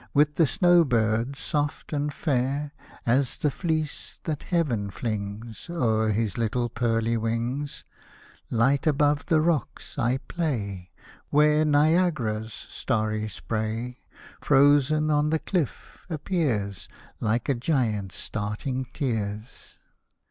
With the snow bird soft and fair As the fleece that heaven flings O'er his little pearly wings, Light above the rocks I play, Where Niagara's starry spray, Frozen on the cliff, appears Like a giant's starting tears.